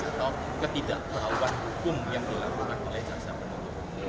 atau ketidakperawuan hukum yang dilakukan oleh jaksa penduduk